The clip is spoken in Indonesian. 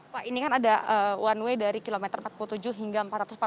pak ini kan ada one way dari kilometer empat puluh tujuh hingga empat ratus empat puluh